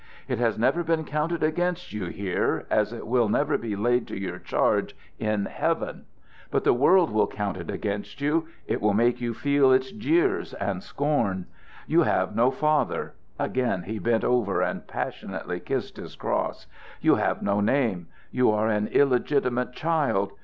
"It has never been counted against you here, as it will never be laid to your charge in heaven. But the world will count it against you. It will make you feel its jeers and scorn. You have no father," again he bent over and passionately kissed his cross, "you have no name. You are an illegitimate child.